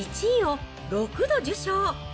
１位を６度受賞。